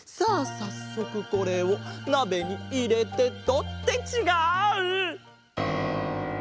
さっそくこれをなべにいれてと。ってちがう！